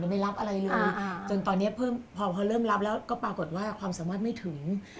ไม่รับอะไรเลยจนตอนนี้พอเริ่มรับแล้วก็ปรากฏว่าความสามารถไม่ถึง